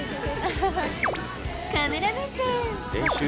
カメラ目線。